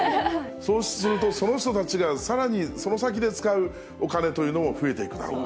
そうすると、その人たちがさらにその先で使うお金というのも増えていくだろう。